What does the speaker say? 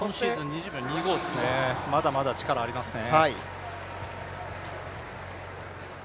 今シーズン２０秒２５ですねまだまだ力ありますね。